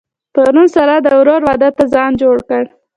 پرون سارا د ورور واده ته ځان جوړ کړ.